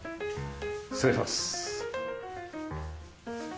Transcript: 失礼します。